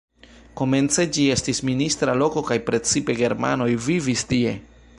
Komence ĝi estis minista loko kaj precipe germanoj vivis tie.